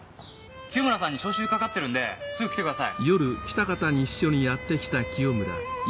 清村さんに招集かかってるんすぐ来てください。